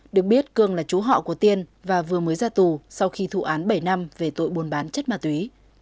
được biết cương là chú họ của tiên và vừa mới ra tù sau khi thủ án bảy năm về tội buôn bán chất ma túy